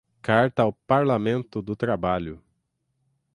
Carta ao Parlamento do Trabalho